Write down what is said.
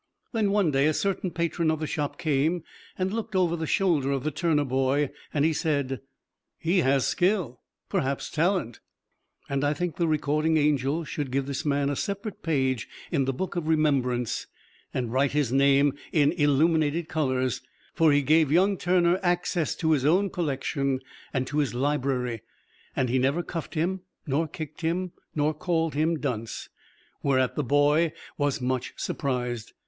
Then one day a certain patron of the shop came and looked over the shoulder of the Turner boy, and he said, "He has skill perhaps talent." And I think the recording angel should give this man a separate page in the Book of Remembrance and write his name in illuminated colors, for he gave young Turner access to his own collection and to his library, and he never cuffed him nor kicked him nor called him dunce whereat the boy was much surprised.